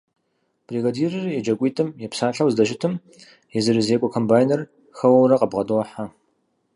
Бригадирыр еджакӀуитӀым епсалъэу здэщытым езырызекӀуэ комбайныр хэуэурэ къабгъэдохьэ.